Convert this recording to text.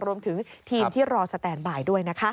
รวมถึงทีมที่รอสแตนบายด้วยนะคะ